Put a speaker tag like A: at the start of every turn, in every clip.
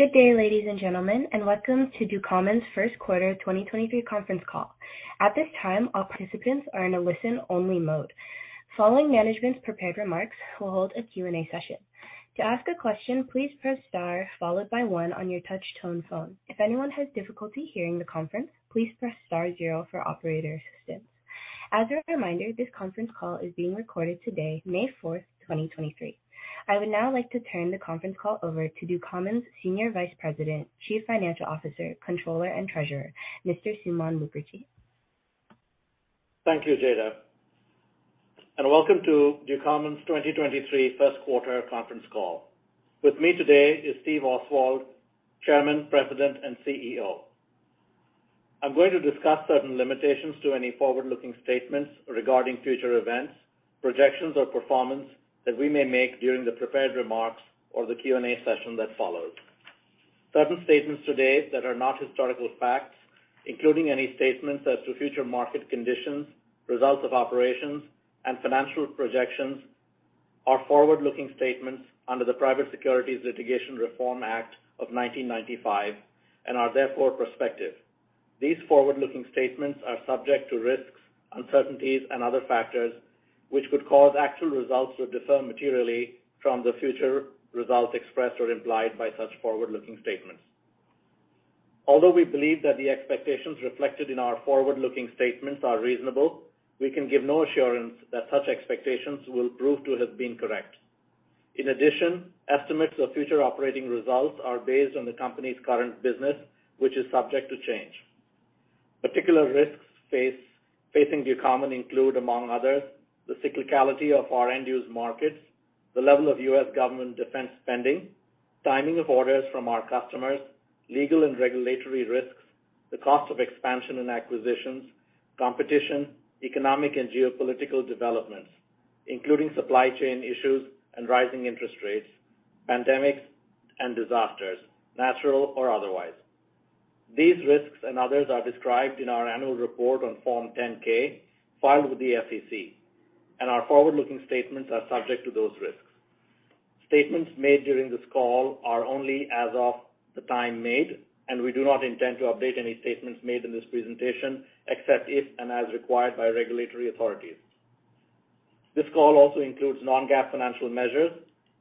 A: Good day, ladies and gentlemen, welcome to Ducommun's First Quarter 2023 Conference Call. At this time, all participants are in a listen-only mode. Following management's prepared remarks, we'll hold a Q&A session. To ask a question, please press star followed by one on your touch tone phone. If anyone has difficulty hearing the conference, please press star zero for operator assistance. As a reminder, this conference call is being recorded today, May 4th, 2023. I would now like to turn the conference call over to Ducommun's Senior Vice President, Chief Financial Officer, Controller, and Treasurer, Mr. Suman Mookerji.
B: Thank you, Jada, and welcome to Ducommun's 2023 first quarter conference call. With me today is Steve Oswald, Chairman, President, and CEO. I'm going to discuss certain limitations to any forward-looking statements regarding future events, projections, or performance that we may make during the prepared remarks or the Q&A session that follows. Certain statements today that are not historical facts, including any statements as to future market conditions, results of operations, and financial projections are forward-looking statements under the Private Securities Litigation Reform Act of 1995 and are therefore prospective. These forward-looking statements are subject to risks, uncertainties and other factors which could cause actual results to differ materially from the future results expressed or implied by such forward-looking statements. Although we believe that the expectations reflected in our forward-looking statements are reasonable, we can give no assurance that such expectations will prove to have been correct. In addition, estimates of future operating results are based on the company's current business, which is subject to change. Particular risks facing Ducommun include, among others, the cyclicality of our end-use markets, the level of U.S. government defense spending, timing of orders from our customers, legal and regulatory risks, the cost of expansion and acquisitions, competition, economic and geopolitical developments, including supply chain issues and rising interest rates, pandemics and disasters, natural or otherwise. These risks and others are described in our annual report on Form 10-K filed with the SEC. Our forward-looking statements are subject to those risks. Statements made during this call are only as of the time made. We do not intend to update any statements made in this presentation except if and as required by regulatory authorities. This call also includes non-GAAP financial measures.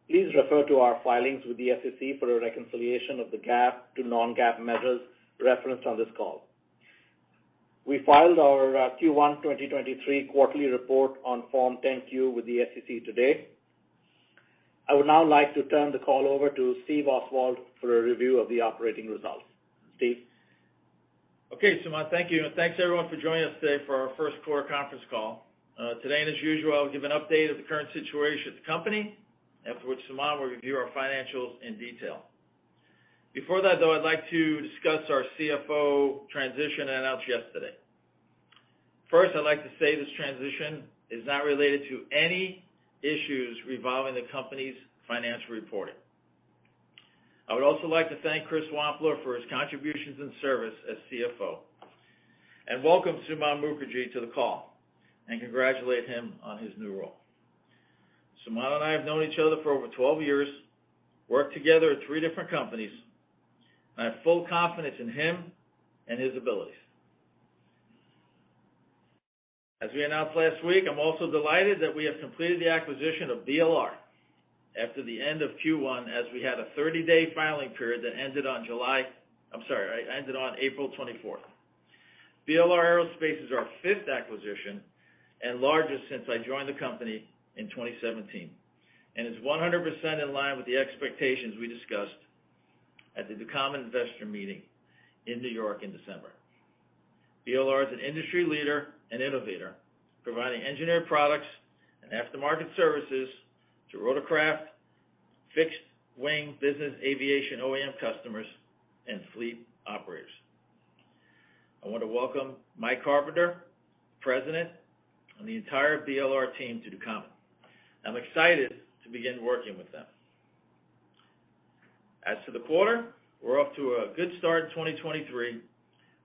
B: Please refer to our filings with the SEC for a reconciliation of the GAAP to non-GAAP measures referenced on this call. We filed our Q1 2023 quarterly report on Form 10-Q with the SEC today. I would now like to turn the call over to Steve Oswald for a review of the operating results. Steve?
C: Okay, Suman, thank you. Thanks everyone for joining us today for our first quarter conference call. Today, and as usual, I'll give an update of the current situation at the company. Afterwards, Suman will review our financials in detail. Before that, though, I'd like to discuss our CFO transition I announced yesterday. I'd like to say this transition is not related to any issues revolving the company's financial reporting. I would also like to thank Chris Wampler for his contributions and service as CFO. Welcome Suman Mookerji to the call and congratulate him on his new role. Suman and I have known each other for over 12 years, worked together at 3 different companies. I have full confidence in him and his abilities. As we announced last week, I'm also delighted that we have completed the acquisition of BLR after the end of Q1, as we had a 30-day filing period that ended on April 24th. BLR Aerospace is our 5th acquisition and largest since I joined the company in 2017. It's 100% in line with the expectations we discussed at the Ducommun Investor Meeting in New York in December. BLR is an industry leader and innovator, providing engineered products and aftermarket services to rotorcraft, fixed-wing business aviation OEM customers, and fleet operators. I want to welcome Mike Carpenter, President, and the entire BLR team to Ducommun. I'm excited to begin working with them. As to the quarter, we're off to a good start in 2023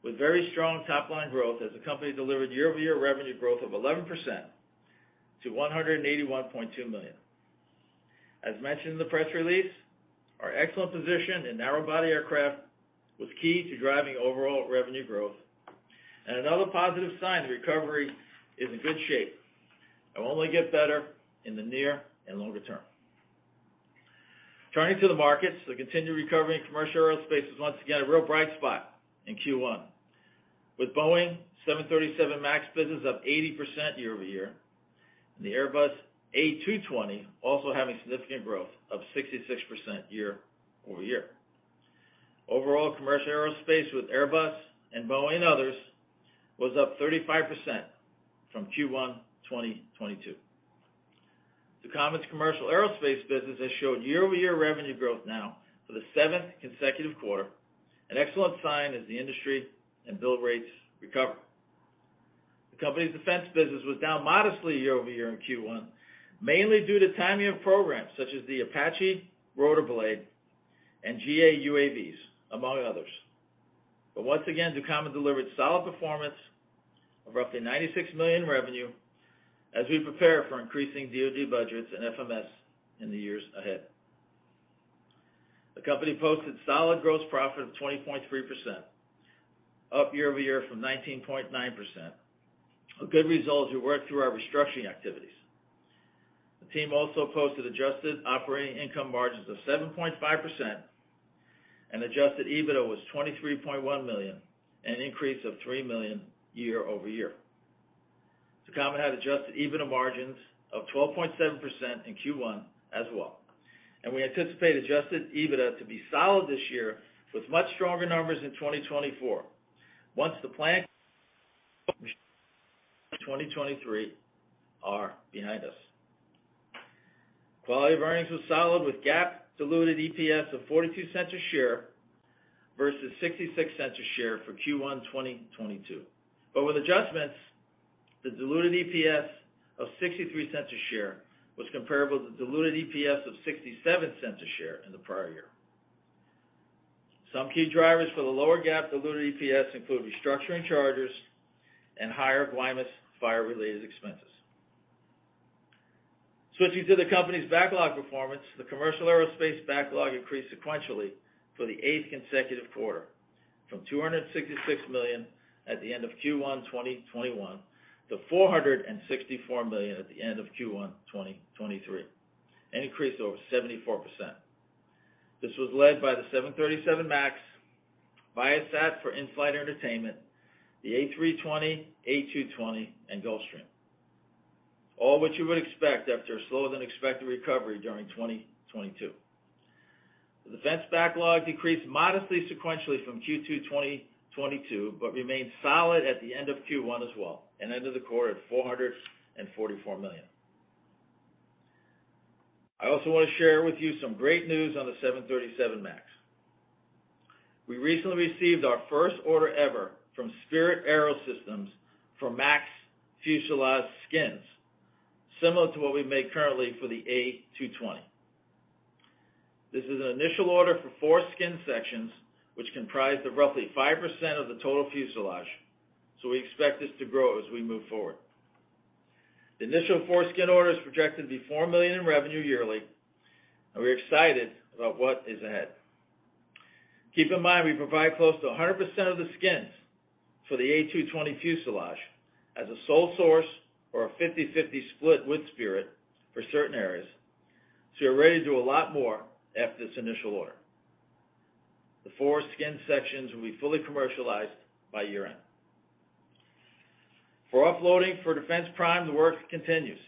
C: with very strong top-line growth as the company delivered year-over-year revenue growth of 11% to $181.2 million. As mentioned in the press release, our excellent position in narrow body aircraft was key to driving overall revenue growth. Another positive sign, the recovery is in good shape and will only get better in the near and longer term. Turning to the markets, the continued recovery in commercial aerospace was once again a real bright spot in Q1, with Boeing 737 MAX business up 80% year-over-year, and the Airbus A220 also having significant growth of 66% year-over-year. Overall, commercial aerospace with Airbus and Boeing and others was up 35% from Q1 2022. Ducommun's commercial aerospace business has showed year-over-year revenue growth now for the seventh consecutive quarter, an excellent sign as the industry and build rates recover. The company's defense business was down modestly year-over-year in Q1, mainly due to timing of programs such as the Apache Rotor Blade and GA-UAVs, among others. Once again, Ducommun delivered solid performance of roughly $96 million revenue as we prepare for increasing DoD budgets and FMS in the years ahead. The company posted solid gross profit of 20.3%, up year-over-year from 19.9%. A good result as we work through our restructuring activities. The team also posted adjusted operating income margins of 7.5% and adjusted EBITDA was $23.1 million, an increase of $3 million year-over-year. Ducommun had adjusted EBITDA margins of 12.7% in Q1 as well. We anticipate adjusted EBITDA to be solid this year with much stronger numbers in 2024 once the plant 2023 are behind us. Quality of earnings was solid with GAAP diluted EPS of $0.42 versus $0.66 for Q1 2022. With adjustments, the diluted EPS of $0.63 was comparable to diluted EPS of $0.67 in the prior year. Some key drivers for the lower GAAP diluted EPS include restructuring charges and higher Guymon's fire-related expenses. Switching to the company's backlog performance, the commercial aerospace backlog increased sequentially for the eighth consecutive quarter from $266 million at the end of Q1 2021 to $464 million at the end of Q1 2023, an increase over 74%. This was led by the 737 MAX, Viasat for in-flight entertainment, the A320, A220, and Gulfstream. All what you would expect after a slower than expected recovery during 2022. The defense backlog decreased modestly sequentially from Q2 2022, but remained solid at the end of Q1 as well, and ended the quarter at $444 million. I also wanna share with you some great news on the 737 MAX. We recently received our first order ever from Spirit AeroSystems for MAX fuselage skins, similar to what we make currently for the A220. This is an initial order for four skin sections, which comprise of roughly 5% of the total fuselage, so we expect this to grow as we move forward. The initial four-skin order is projected to be $4 million in revenue yearly, and we're excited about what is ahead. Keep in mind, we provide close to 100% of the skins for the A220 fuselage as a sole source or a 50/50 split with Spirit for certain areas. We're ready to do a lot more after this initial order. The 4 skin sections will be fully commercialized by year-end. For offloading for defense prime, the work continues.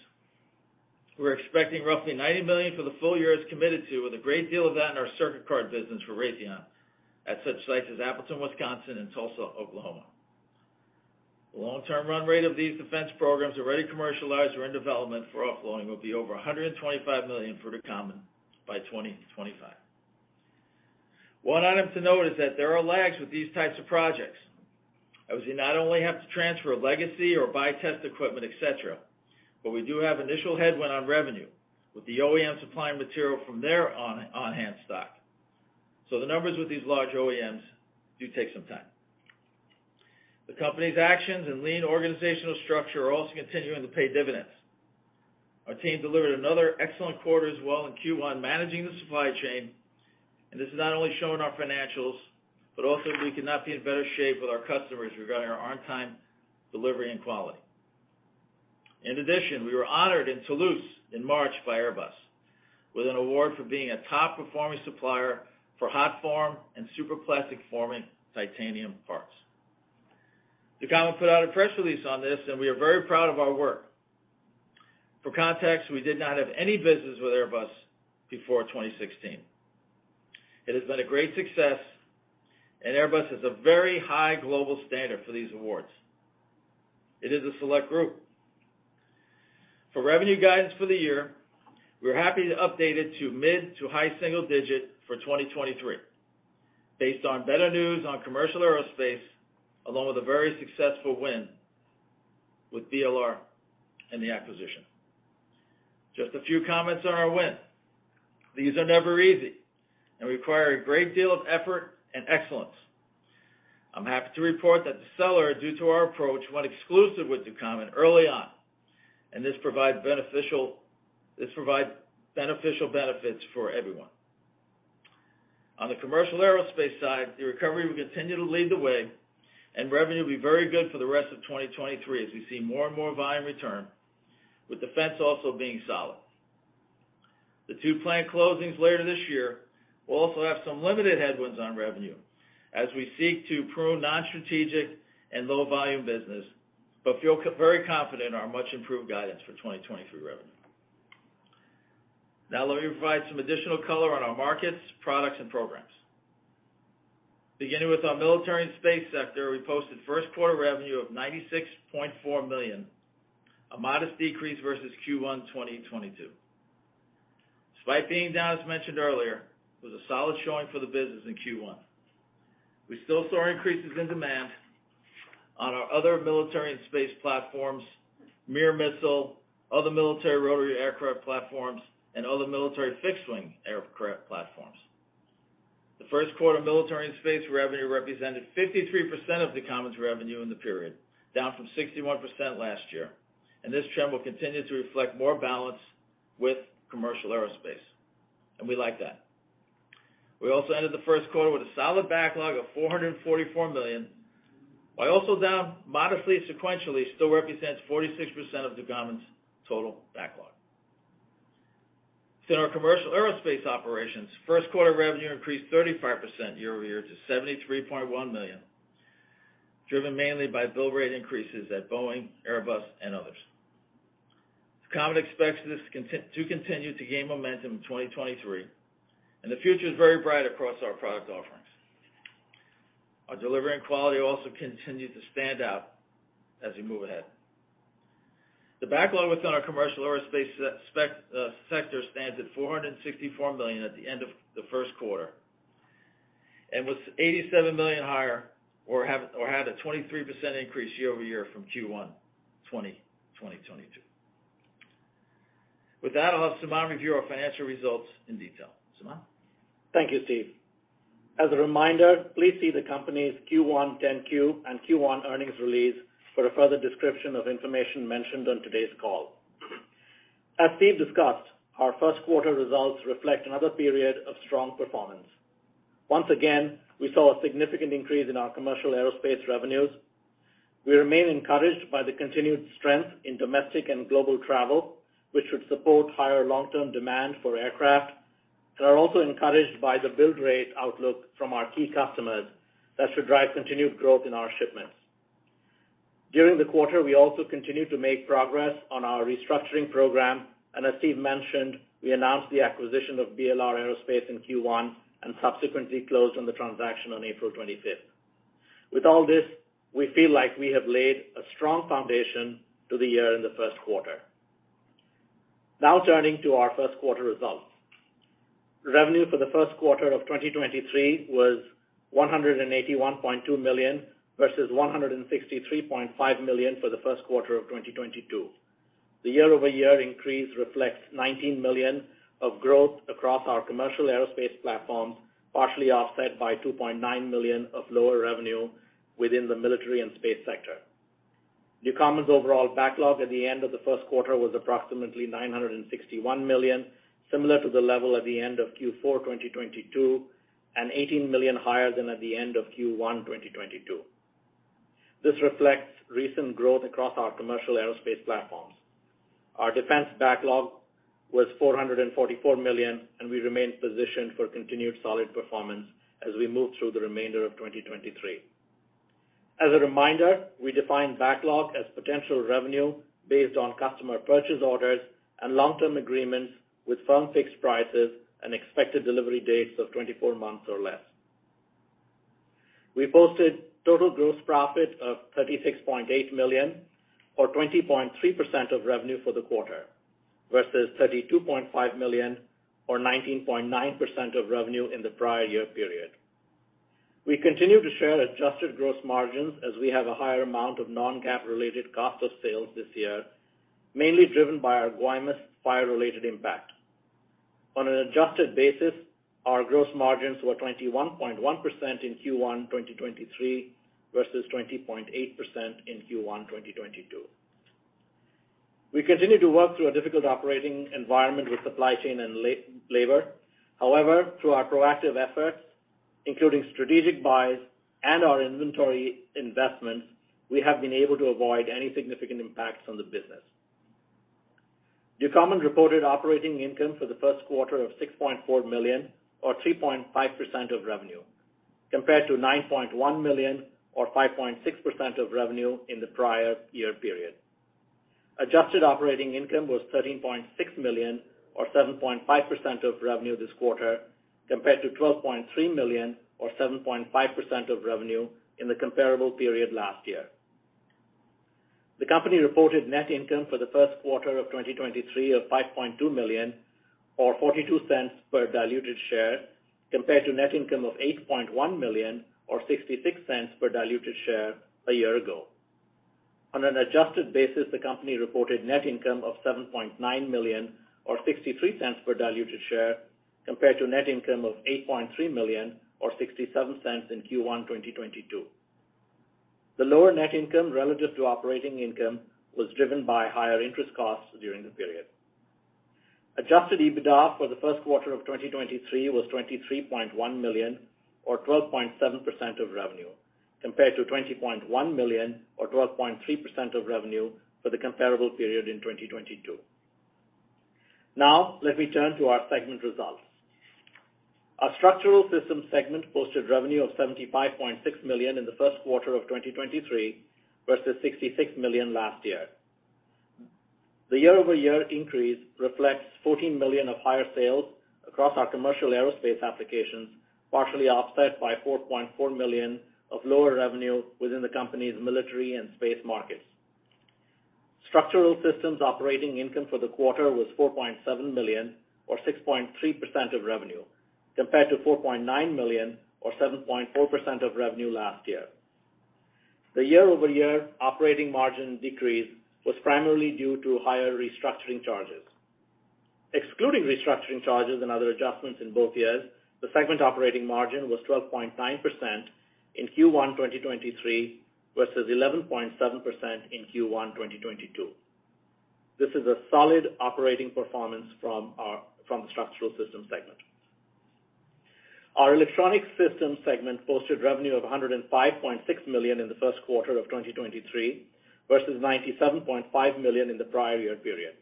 C: We're expecting roughly $90 million for the full year as committed to, with a great deal of that in our circuit card business for Raytheon at such sites as Appleton, Wisconsin and Tulsa, Oklahoma. The long-term run rate of these defense programs already commercialized or in development for offloading will be over $125 million for Ducommun by 2025. One item to note is that there are lags with these types of projects, as you not only have to transfer legacy or buy test equipment, et cetera, but we do have initial headwind on revenue with the OEM supplying material from their on-hand stock. The numbers with these large OEMs do take some time. The company's actions and lean organizational structure are also continuing to pay dividends. Our team delivered another excellent quarter as well in Q1, managing the supply chain, and this is not only shown in our financials, but also we could not be in better shape with our customers regarding our on-time delivery and quality. In addition, we were honored in Toulouse in March by Airbus with an award for being a top-performing supplier for hot form and superplastic forming titanium parts. Ducommun put out a press release on this, and we are very proud of our work. For context, we did not have any business with Airbus before 2016. It has been a great success, and Airbus has a very high global standard for these awards. It is a select group. For revenue guidance for the year, we're happy to update it to mid to high single digit for 2023 based on better news on commercial aerospace, along with a very successful win with BLR and the acquisition. Just a few comments on our win. These are never easy and require a great deal of effort and excellence. I'm happy to report that the seller, due to our approach, went exclusive with Ducommun early on, and this provide beneficial benefits for everyone. On the commercial aerospace side, the recovery will continue to lead the way, and revenue will be very good for the rest of 2023 as we see more and more volume return, with defense also being solid. The two plant closings later this year will also have some limited headwinds on revenue as we seek to prune non-strategic and low-volume business, but feel very confident in our much-improved guidance for 2023 revenue. Now let me provide some additional color on our markets, products, and programs. Beginning with our military and space sector, we posted first quarter revenue of $96.4 million, a modest decrease versus Q1 2022. Despite being down, as mentioned earlier, it was a solid showing for the business in Q1. We still saw increases in demand on our other military and space platforms, AMRAAM missile, other military rotary aircraft platforms, and other military fixed-wing aircraft platforms. The first quarter military and space revenue represented 53% of Ducommun's revenue in the period, down from 61% last year. This trend will continue to reflect more balance with commercial aerospace, and we like that. We also ended the first quarter with a solid backlog of $444 million. While also down modestly sequentially, still represents 46% of Ducommun's total backlog. In our commercial aerospace operations, first quarter revenue increased 35% year-over-year to $73.1 million, driven mainly by bill rate increases at Boeing, Airbus and others. Ducommun expects this to continue to gain momentum in 2023, and the future is very bright across our product offerings. Our delivery and quality also continues to stand out as we move ahead. The backlog within our commercial aerospace sector stands at $464 million at the end of the first quarter, and was $87 million higher or had a 23% increase year-over-year from Q1 2022. With that, I'll have Suman review our financial results in detail. Suman?
B: Thank you, Steve. As a reminder, please see the company's Q1 10-Q and Q1 earnings release for a further description of information mentioned on today's call. As Steve discussed, our first quarter results reflect another period of strong performance. Once again, we saw a significant increase in our commercial aerospace revenues. We remain encouraged by the continued strength in domestic and global travel, which should support higher long-term demand for aircraft. Are also encouraged by the build rate outlook from our key customers that should drive continued growth in our shipments. During the quarter, we also continued to make progress on our restructuring program, and as Steve mentioned, we announced the acquisition of BLR Aerospace in Q1, and subsequently closed on the transaction on April 25th. With all this, we feel like we have laid a strong foundation to the year in the first quarter. Now turning to our first quarter results. Revenue for the first quarter of 2023 was $181.2 million, versus $163.5 million for the first quarter of 2022. The year-over-year increase reflects $19 million of growth across our commercial aerospace platforms, partially offset by $2.9 million of lower revenue within the military and space sector. Ducommun's overall backlog at the end of the first quarter was approximately $961 million, similar to the level at the end of Q4 2022, and $18 million higher than at the end of Q1 2022. This reflects recent growth across our commercial aerospace platforms. Our defense backlog was $444 million, and we remain positioned for continued solid performance as we move through the remainder of 2023. As a reminder, we define backlog as potential revenue based on customer purchase orders and long-term agreements with firm fixed prices and expected delivery dates of 24 months or less. We posted total gross profit of $36.8 million, or 20.3% of revenue for the quarter, versus $32.5 million or 19.9% of revenue in the prior year period. We continue to share adjusted gross margins as we have a higher amount of non-GAAP related cost of sales this year, mainly driven by our Guymon fire-related impact. On an adjusted basis, our gross margins were 21.1% in Q1 2023 versus 20.8% in Q1 2022. We continue to work through a difficult operating environment with supply chain and labor. Through our proactive efforts, including strategic buys and our inventory investments, we have been able to avoid any significant impacts on the business. Ducommun reported operating income for the first quarter of $6.4 million or 3.5% of revenue, compared to $9.1 million or 5.6% of revenue in the prior year period. Adjusted operating income was $13.6 million or 7.5% of revenue this quarter, compared to $12.3 million or 7.5% of revenue in the comparable period last year. The company reported net income for the first quarter of 2023 of $5.2 million or $0.42 per diluted share, compared to net income of $8.1 million or $0.66 per diluted share a year ago. On an adjusted basis, the company reported net income of $7.9 million or $0.63 per diluted share, compared to net income of $8.3 million or $0.67 in Q1 2022. The lower net income relative to operating income was driven by higher interest costs during the period. Adjusted EBITDA for the first quarter of 2023 was $23.1 million or 12.7% of revenue, compared to $20.1 million or 12.3% of revenue for the comparable period in 2022. Now, let me turn to our segment results. Our Structural Systems segment posted revenue of $75.6 million in the first quarter of 2023 versus $66 million last year. The year-over-year increase reflects $14 million of higher sales across our commercial aerospace applications, partially offset by $4.4 million of lower revenue within the company's military and space markets. Structural Systems operating income for the quarter was $4.7 million, or 6.3% of revenue, compared to $4.9 million, or 7.4% of revenue last year. The year-over-year operating margin decrease was primarily due to higher restructuring charges. Excluding restructuring charges and other adjustments in both years, the segment operating margin was 12.9% in Q1 2023 versus 11.7% in Q1 2022. This is a solid operating performance from our Structural Systems segment. Our Electronic Systems segment posted revenue of $105.6 million in the first quarter of 2023 versus $97.5 million in the prior year period.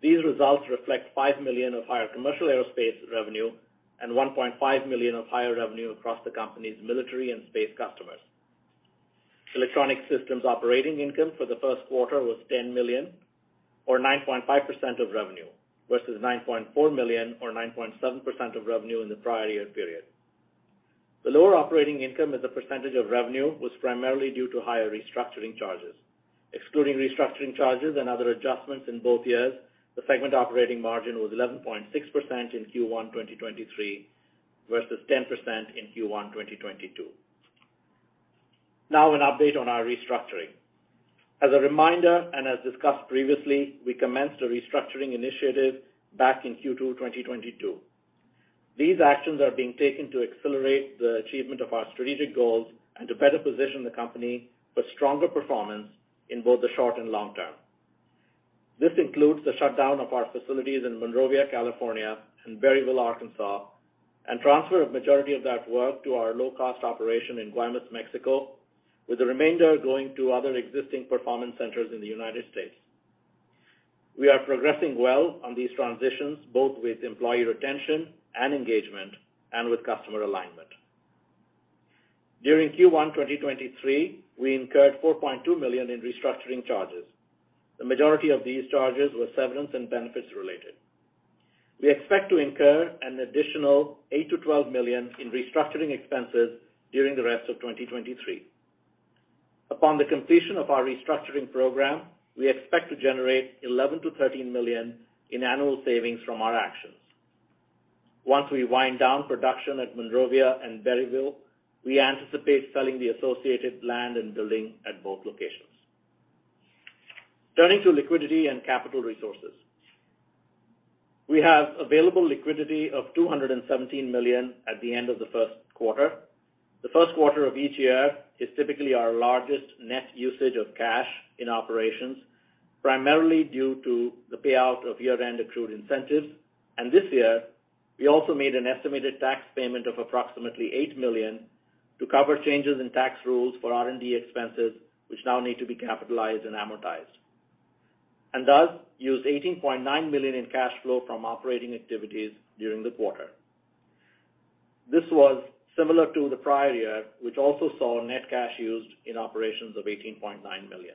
B: These results reflect $5 million of higher commercial aerospace revenue and $1.5 million of higher revenue across the company's military and space customers. Electronic Systems operating income for the first quarter was $10 million or 9.5% of revenue versus $9.4 million or 9.7% of revenue in the prior year period. The lower operating income as a percentage of revenue was primarily due to higher restructuring charges. Excluding restructuring charges and other adjustments in both years, the segment operating margin was 11.6% in Q1 2023 versus 10% in Q1 2022. An update on our restructuring. As a reminder, and as discussed previously, we commenced a restructuring initiative back in Q2 2022. These actions are being taken to accelerate the achievement of our strategic goals and to better position the company for stronger performance in both the short and long term. This includes the shutdown of our facilities in Monrovia, California, and Berryville, Arkansas, and transfer of majority of that work to our low-cost operation in Guaymas, Mexico, with the remainder going to other existing performance centers in the United States. We are progressing well on these transitions, both with employee retention and engagement and with customer alignment. During Q1 2023, we incurred $4.2 million in restructuring charges. The majority of these charges were severance and benefits related. We expect to incur an additional $8 million-$12 million in restructuring expenses during the rest of 2023. Upon the completion of our restructuring program, we expect to generate $11 million-$13 million in annual savings from our actions. Once we wind down production at Monrovia and Berryville, we anticipate selling the associated land and building at both locations. Turning to liquidity and capital resources. We have available liquidity of $217 million at the end of the first quarter. The first quarter of each year is typically our largest net usage of cash in operations, primarily due to the payout of year-end accrued incentives. This year, we also made an estimated tax payment of approximately $8 million to cover changes in tax rules for R&D expenses, which now need to be capitalized and amortized, and thus use $18.9 million in cash flow from operating activities during the quarter. This was similar to the prior year, which also saw net cash used in operations of $18.9 million.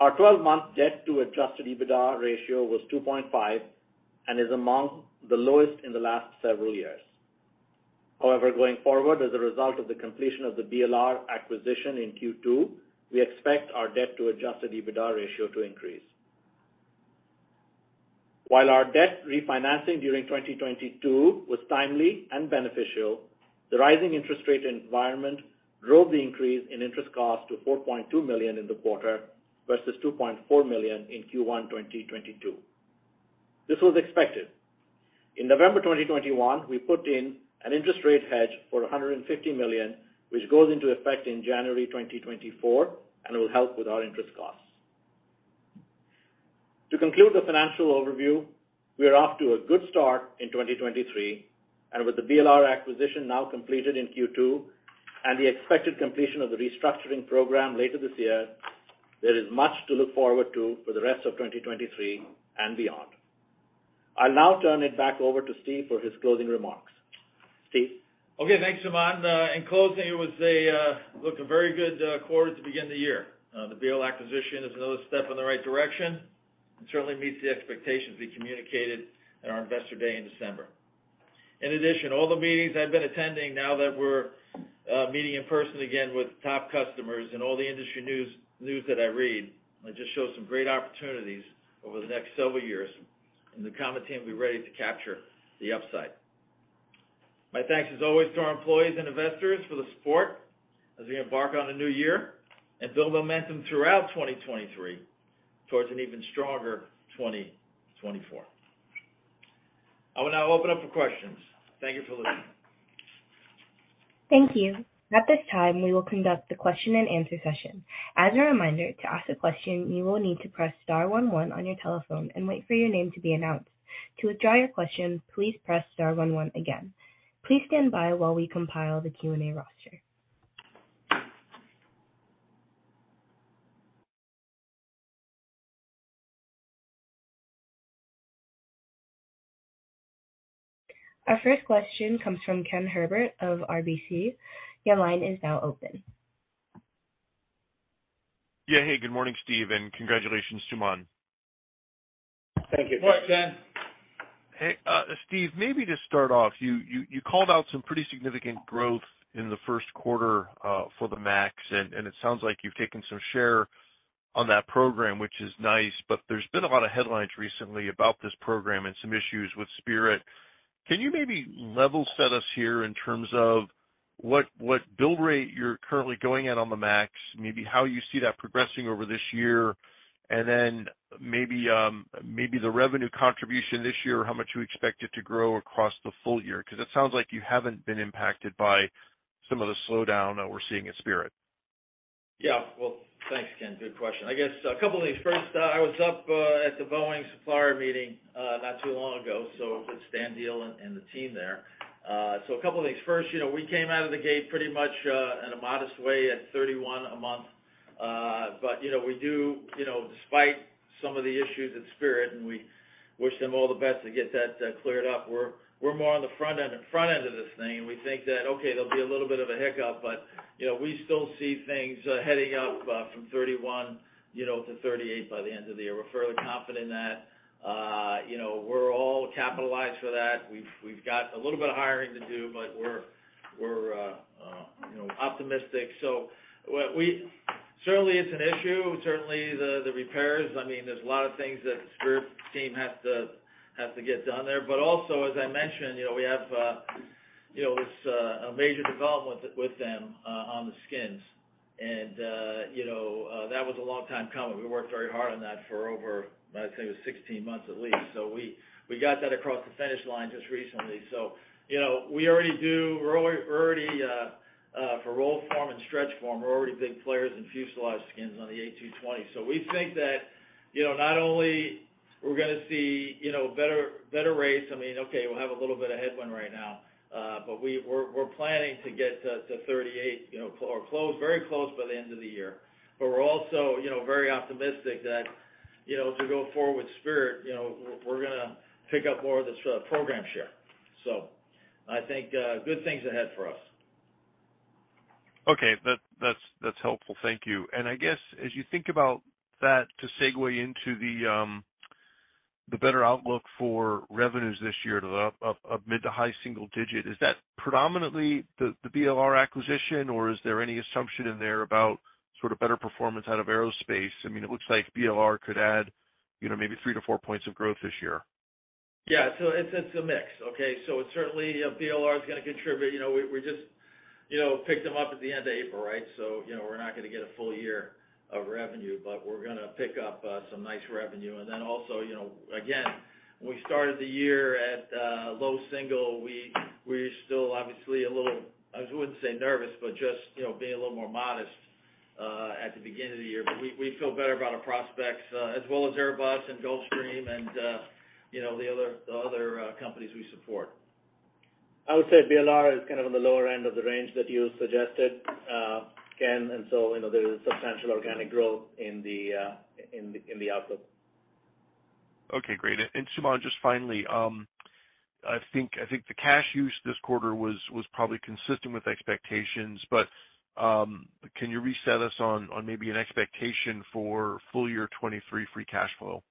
B: Our 12-month debt to adjusted EBITDA ratio was 2.5 and is among the lowest in the last several years. Going forward, as a result of the completion of the BLR acquisition in Q2, we expect our debt to adjusted EBITDA ratio to increase. While our debt refinancing during 2022 was timely and beneficial, the rising interest rate environment drove the increase in interest costs to $4.2 million in the quarter versus $2.4 million in Q1 2022. This was expected. In November 2021, we put in an interest rate hedge for $150 million, which goes into effect in January 2024 and will help with our interest costs. To conclude the financial overview, we are off to a good start in 2023, and with the BLR acquisition now completed in Q2 and the expected completion of the restructuring program later this year, there is much to look forward to for the rest of 2023 and beyond. I'll now turn it back over to Steve for his closing remarks. Steve?
C: Okay, thanks, Suman. In closing, it was a look, a very good quarter to begin the year. The BLR acquisition is another step in the right direction and certainly meets the expectations we communicated at our Investor Day in December. In addition, all the meetings I've been attending now that we're meeting in person again with top customers and all the industry news that I read, just shows some great opportunities over the next several years, and the Ducommun team will be ready to capture the upside. My thanks as always to our employees and investors for the support as we embark on the new year and build momentum throughout 2023 towards an even stronger 2024. I will now open up for questions. Thank you for listening.
A: Thank you. At this time, we will conduct the question-and-answer session. As a reminder, to ask a question, you will need to press star one one on your telephone and wait for your name to be announced. To withdraw your question, please press star one one again. Please stand by while we compile the Q&A roster. Our first question comes from Ken Herbert of RBC. Your line is now open.
D: Hey, good morning, Steve, and congratulations, Suman. Thank you.
C: All right, Ken.
D: Hey, Steve, maybe to start off, you called out some pretty significant growth in the first quarter for the MAX, and it sounds like you've taken some share on that program, which is nice. There's been a lot of headlines recently about this program and some issues with Spirit. Can you maybe level set us here in terms of what build rate you're currently going at on the MAX, maybe how you see that progressing over this year? Then maybe the revenue contribution this year, how much you expect it to grow across the full year, 'cause it sounds like you haven't been impacted by some of the slowdown that we're seeing at Spirit.
C: Well, thanks, Ken. Good question. I guess a couple of things. First, I was up at the Boeing supplier meeting not too long ago, so with Stan Deal and the team there. A couple of things. First, you know, we came out of the gate pretty much in a modest way at 31 a month. You know, we do, you know, despite some of the issues at Spirit, and we wish them all the best to get that cleared up, we're more on the front end of this thing. We think that, okay, there'll be a little bit of a hiccup, but, you know, we still see things heading up from 31, you know, to 38 by the end of the year. We're fairly confident in that. You know, we're all capitalized for that. We've got a little bit of hiring to do, but we're optimistic. Certainly, it's an issue. Certainly, the repairs. I mean, there's a lot of things that the Spirit team has to get done there. Also, as I mentioned, you know, we have this a major development with them on the skins. You know, that was a long time coming. We worked very hard on that for over, I'd say it was 16 months at least. We got that across the finish line just recently. You know, we're already for roll forming and stretch forming, we're already big players in fuselage skins on the A220. We think that, you know, not only we're gonna see, you know, better rates. I mean, okay, we'll have a little bit of headwind right now, but we're planning to get to 38%, you know, close, very close by the end of the year. We're also, you know, very optimistic that, you know, as we go forward with Spirit, you know, we're gonna pick up more of this program share. I think, good things ahead for us.
D: Okay. That's helpful. Thank you. I guess as you think about that to segue into the better outlook for revenues this year to the up mid to high single-digit, is that predominantly the BLR acquisition, or is there any assumption in there about sort of better performance out of aerospace? I mean, it looks like BLR could add, you know, maybe 3-4 points of growth this year.
C: It's, it's a mix. Okay? It certainly, BLR is gonna contribute. You know, we just, you know, picked them up at the end of April, right? You know, we're not gonna get a full year of revenue, but we're gonna pick up, some nice revenue. Also, you know, again, we started the year at low single. We, we're still obviously a little, I wouldn't say nervous, but just, you know, being a little more modest, at the beginning of the year. We, we feel better about our prospects, as well as Airbus and Gulfstream and, you know, the other companies we support.
B: I would say BLR is kind of on the lower end of the range that you suggested, Ken.You know, there is substantial organic growth in the outlook.
D: Okay, great. Suman, just finally, I think the cash use this quarter was probably consistent with expectations, but can you reset us on maybe an expectation for full year 2023 free cash flow?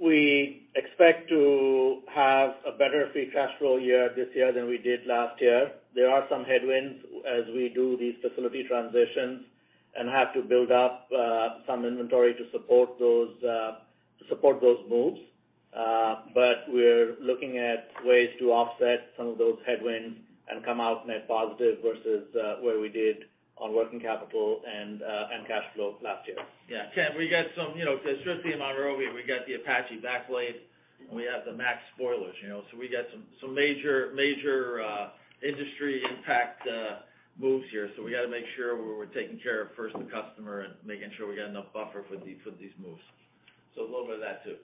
B: We expect to have a better free cash flow year this year than we did last year. There are some headwinds as we do these facility transitions and have to build up some inventory to support those moves. We're looking at ways to offset some of those headwinds and come out net positive versus where we did on working capital and cash flow last year.
C: Yeah. Ken, we got some, you know, 'cause just the amount of revenue, we got the Apache backblade, and we have the MAX spoilers, you know. We got some major industry impact moves here. We gotta make sure we're taking care of first the customer and making sure we got enough buffer for these moves. A little bit of that too.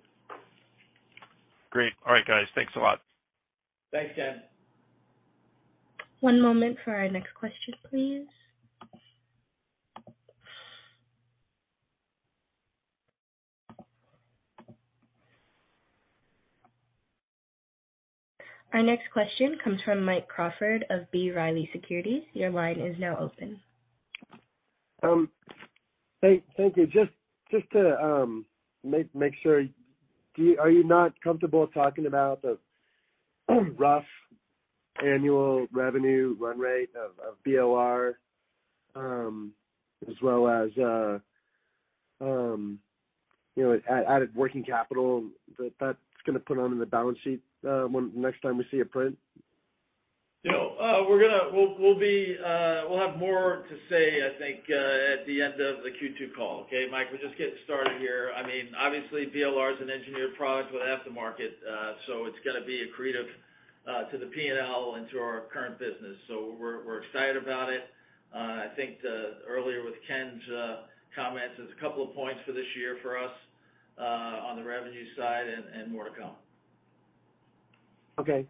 D: Great. All right, guys. Thanks a lot.
C: Thanks, Ken.
A: One moment for our next question, please. Our next question comes from Mike Crawford of B. Riley Securities. Your line is now open.
E: Thank you. Just to make sure, are you not comfortable talking about the rough annual revenue run rate of BLR, as well as, you know, added working capital that's gonna put on in the balance sheet when next time we see a print?
C: You know, we'll have more to say, I think, at the end of the Q2 call, okay, Mike? We're just getting started here. I mean, obviously BLR is an engineered product without the market, so it's gonna be accretive to the P&L and to our current business. We're excited about it. I think earlier with Ken's comments, there's a couple of points for this year for us on the revenue side and more to come.
E: Okay.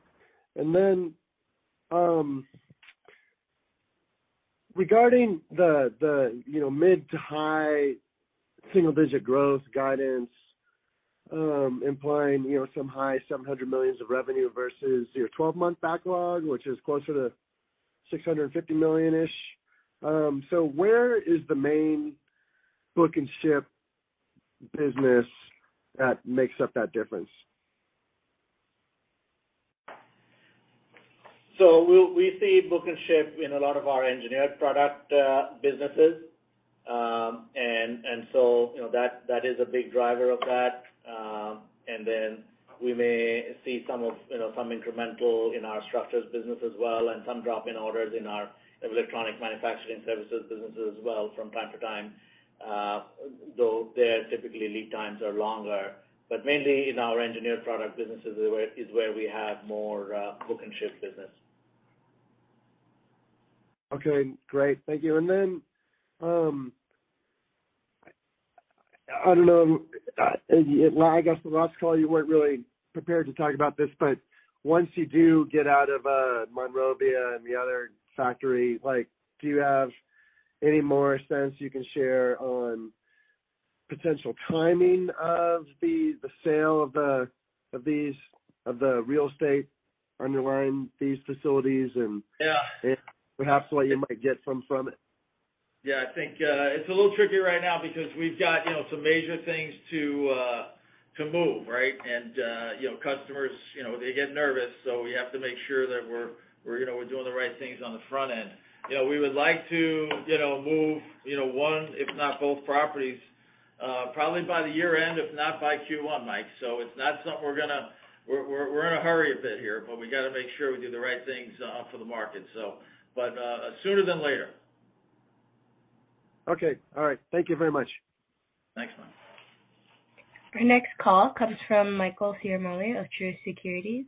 E: Regarding the, you know, mid to high single digit growth guidance implying, you know, some high $700 million of revenue versus your 12-month backlog, which is closer to $650 million-ish. Where is the main book and ship business that makes up that difference?
C: We see book and ship in a lot of our engineered product businesses. You know, that is a big driver of that. Then we may see some of, you know, some incremental in our structures business as well and some drop-in orders in our electronic manufacturing services business as well from time to time. Though their typically lead times are longer, but mainly in our engineered product businesses is where we have more book and ship business.
E: Okay, great. Thank you. I don't know. Well, I guess the last call, you weren't really prepared to talk about this, but once you do get out of Monrovia and the other factory, like, do you have any more sense you can share on potential timing of the sale of the real estate underlying these facilities?
C: Yeah.
E: Perhaps what you might get from it?
C: Yeah, I think, it's a little tricky right now because we've got, you know, some major things to move, right? You know, customers, you know, they get nervous, so we have to make sure that we're, you know, we're doing the right things on the front end. You know, we would like to, you know, move, you know, one, if not both properties, probably by the year-end, if not by Q1, Mike. It's not something we're gonna We're in a hurry a bit here, but we gotta make sure we do the right things for the market. Sooner than later?
E: Okay. All right. Thank you very much.
C: Thanks, Mike.
A: Our next call comes from Michael Ciarmoli of Truist Securities.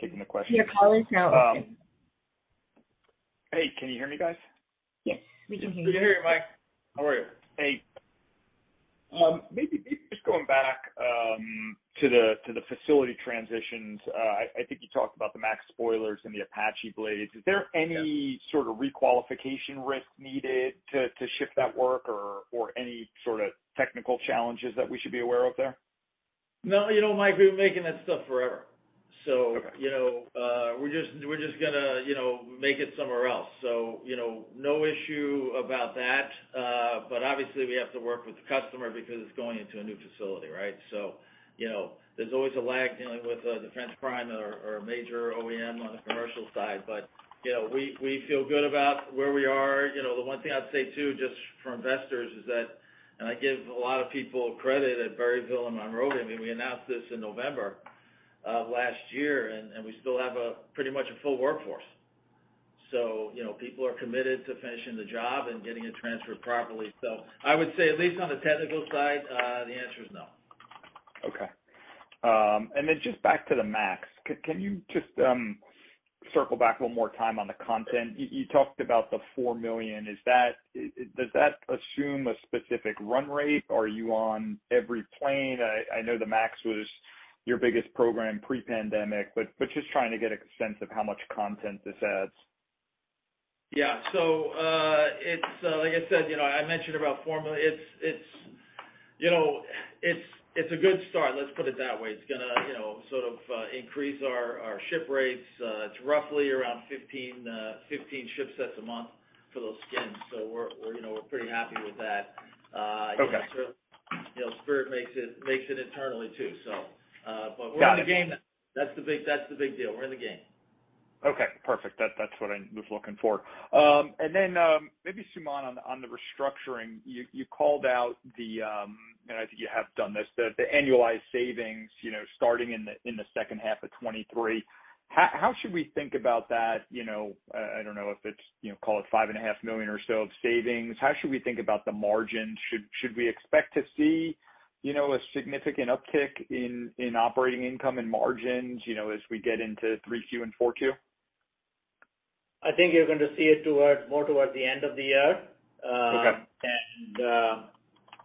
F: Taking the question.
A: Your call is now open.
F: Hey, can you hear me, guys?
A: Yes, we can hear you.
C: We can hear you, Mike. How are you?
F: Hey. Maybe just going back to the facility transitions. I think you talked about the MAX spoilers and the Apache blades. Is there any sort of requalification risk needed to ship that work or any sort of technical challenges that we should be aware of there?
C: No. You know, Mike, we've been making that stuff forever.
F: Okay.
C: You know, we're just gonna, you know, make it somewhere else. You know, no issue about that. Obviously we have to work with the customer because it's going into a new facility, right? You know, there's always a lag dealing with a defense prime or a major OEM on the commercial side. You know, we feel good about where we are. You know, the one thing I'd say too, just for investors is that, and I give a lot of people credit at Berryville and Monrovia, I mean, we announced this in November of last year, and we still have a pretty much a full workforce. You know, people are committed to finishing the job and getting it transferred properly. I would say, at least on the technical side, the answer is no.
F: Okay. Just back to the MAX. Can you just circle back one more time on the content. You talked about the $4 million. Is that? Does that assume a specific run rate? Are you on every plane? I know the MAX was your biggest program pre-pandemic, just trying to get a sense of how much content this adds.
C: Yeah. It's, like I said, you know, I mentioned about formula. It's, you know, it's a good start, let's put it that way. It's gonna, you know, sort of, increase our ship rates. It's roughly around 15 ship sets a month for those skins. We're, you know, we're pretty happy with that?
F: Okay.
C: You know, Spirit makes it internally too. We're in the game. That's the big deal. We're in the game.
F: Okay. Perfect. That's what I was looking for. Maybe Suman, on the restructuring, you called out the, and I think you have done this, the annualized savings, you know, starting in the second half of 2023. How should we think about that? You know, I don't know if it's, you know, call it $5.5 million or so of savings. How should we think about the margin? Should we expect to see, you know, a significant uptick in operating income and margins, you know, as we get into 3Q and 4Q?
B: I think you're going to see it towards, more towards the end of the year.
F: Okay.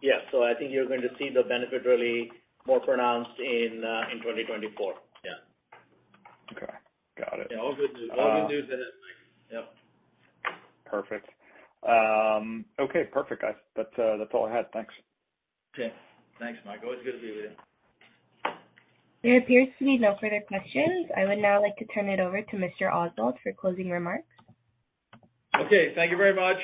E: Yeah. I think you're going to see the benefit really more pronounced in 2024. Yeah.
F: Okay. Got it.
C: Yeah. All good news. All good news there, Mike. Yep.
F: Perfect. Okay. Perfect, guys. That's all I had. Thanks.
C: Okay. Thanks, Mike. Always good to be with you.
A: There appears to be no further questions. I would now like to turn it over to Mr. Oswald for closing remarks.
C: Okay. Thank you very much.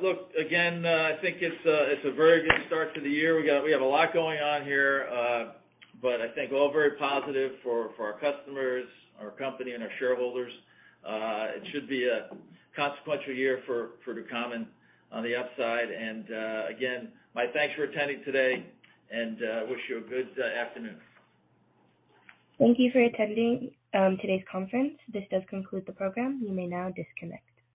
C: Look, again, I think it's a very good start to the year. We have a lot going on here, but I think all very positive for our customers, our company, and our shareholders. It should be a consequential year for Ducommun on the upside. Again, my thanks for attending today, and wish you a good afternoon.
A: Thank you for attending today's conference. This does conclude the program. You may now disconnect.